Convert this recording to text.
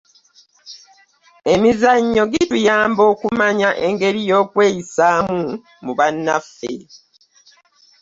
emizannyo gituyambyo okumannya engero y'okweyisamu mu banaffe